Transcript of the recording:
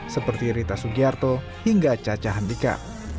seperti rita sugiarto hingga caca handika